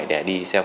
để đi xe hạng